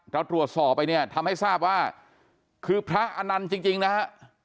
เราตรวจสอบไปเนี่ยทำให้ทราบว่าคือพระอนันต์จริงนะฮะ